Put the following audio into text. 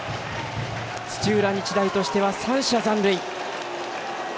土浦日大としては３者残塁。